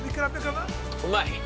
◆うまい。